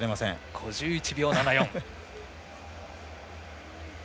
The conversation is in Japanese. ５１秒７４。